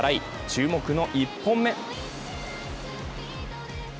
注目の１本目。